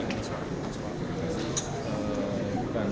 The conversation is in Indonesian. mengaku pernah berhantar